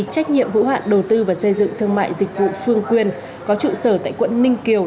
trách nhiệm hữu hạn đầu tư và xây dựng thương mại dịch vụ phương quyền có trụ sở tại quận ninh kiều